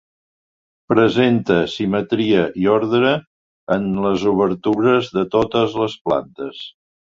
Presenta simetria i ordre en les obertures de totes les plantes.